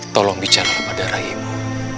tolong bicara pada raimu